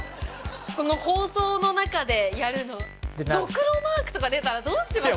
この放送の中でやるのドクロマークとか出たらどうします？